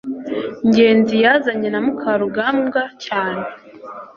ngenzi yazananye na mukarugambwa cyane